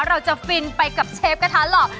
เราจะฟินไปกับเชฟกระทะหรอก